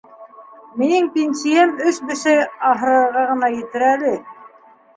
Минең пинсейәм өс бесәй аһырарға ғына етер әле.